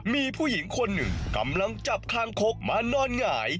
มีผู้หญิงคนหนึ่งกำลังจับคางคกมานอนหงาย